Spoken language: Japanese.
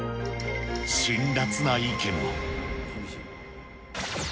辛らつな意見も。